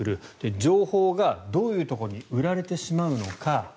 情報がどういうところに売られてしまうのか